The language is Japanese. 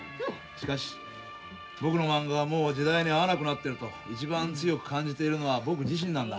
しかし僕のまんががもう時代に合わなくなっていると一番強く感じているのは僕自身なんだ。